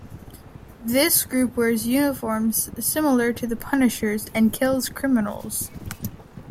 This group wears uniforms similar to the Punisher's and kills criminals.